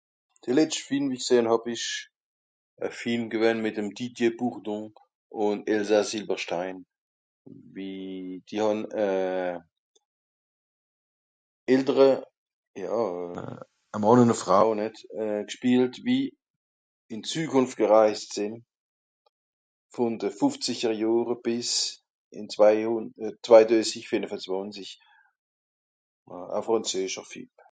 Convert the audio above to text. de letscht film wie ìsch g'sähn hàb esch a film gewänn mìt'm didier bourdon ùnd elsa sylberstein wie die hàn euh eltere euh à mànn ùn à frau nìt g'schpielt wie ìn zükùnft gereist sìn vòn de fòfzischerjohre bìs ìn zwaihùnd euh zwaideuzig fìnef ùn zwànzig à frànzeescher film